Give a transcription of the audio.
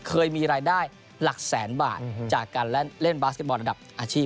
เคยมีรายได้หลักแสนบาทจากการเล่นบาสเก็ตบอลระดับอาชีพ